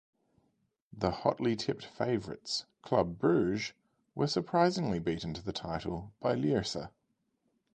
The hotly tipped favourites, Club Bruges, were surprisingly beaten to the title by Lierse.